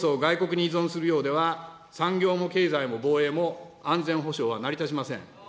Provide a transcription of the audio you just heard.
３要素を外国に依存するようでは産業も経済も防衛も、安全保障は成り立ちません。